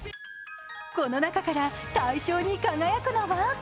この中から大賞に輝くのは？